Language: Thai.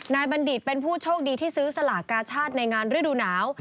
บัณฑิตเป็นผู้โชคดีที่ซื้อสลากกาชาติในงานฤดูหนาว